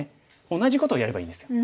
同じことをやればいいんですよ。